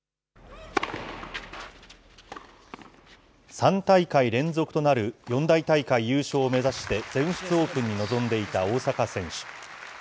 ３大会連続となる四大大会優勝を目指して、全仏オープンに臨んでいた大坂選手。